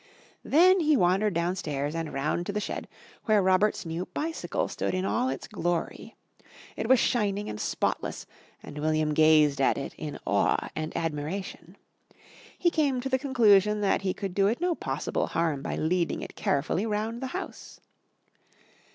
Then he wandered downstairs and round to the shed, where Robert's new bicycle stood in all its glory. It was shining and spotless and William gazed at it in awe and admiration. He came to the conclusion that he could do it no possible harm by leading it carefully round the house.